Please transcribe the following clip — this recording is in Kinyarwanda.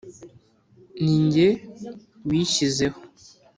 Nijye wishyizeho